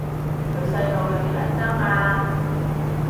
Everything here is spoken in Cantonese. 佢細路女嚟咋嘛